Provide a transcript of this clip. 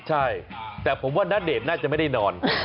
ใช่แต่ผมว่าณเดชน์น่าจะไม่ได้นอน